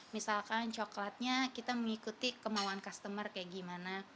misalkan coklatnya kita mengikuti kemauan customer kayak gimana